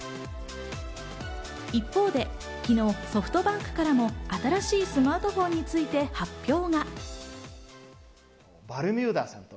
一方で昨日ソフトバンクからも新しいスマートフォンについて発表が。